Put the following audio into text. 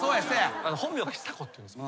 本名が久子っていうんです。